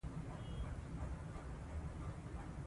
د سلطان عبدالحمید دوهم له لښکر سره هم مخامخ شو.